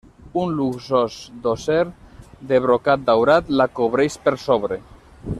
Un luxós dosser de brocat daurat la cobreix per sobre.